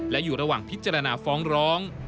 และอยู่ระหว่างพิจารณาฟ้องร้อง